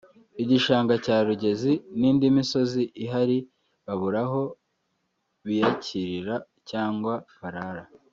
igishanga cya Rugezi n’indi mizosi ihari babura aho biyakirira cyangwa barara